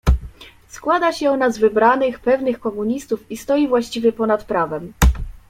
"Składa się ona z wybranych, pewnych komunistów, i stoi właściwie ponad prawem."